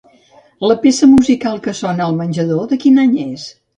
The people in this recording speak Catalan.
La peça musical que sona al menjador de quin any és?